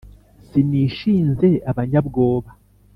Sinishinze abanyabwoba